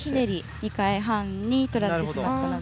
２回半にとられてしまったので。